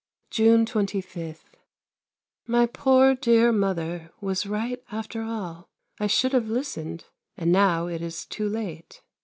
June 25. My poor dear mother was right after all. I should have listened, and now it is too late.